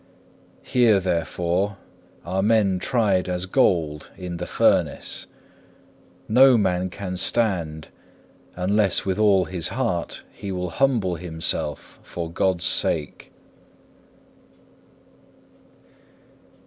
Here therefore are men tried as gold in the furnace. No man can stand, unless with all his heart he will humble himself for God's sake.